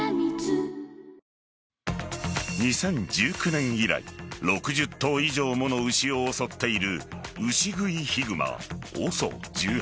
２０１９年以来６０頭以上のもの牛を襲っている牛食いヒグマ・ＯＳＯ１８。